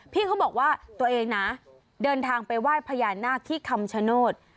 พี่เขาบอกว่าตัวเองนะเดินทางไปไหว้พญานาคที่คำชโนธ